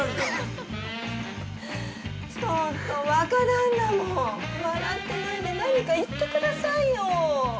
ちょっと若旦那も笑ってないで、何か言ってくださいよ。